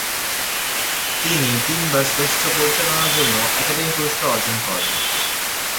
তিনি তিনবার শ্রেষ্ঠ পরিচালনার জন্য একাডেমি পুরস্কার অর্জন করেন।